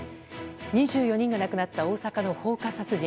２４人が亡くなった大阪の放火殺人。